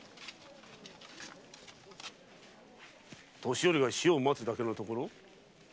年寄りが死を待つだけの所？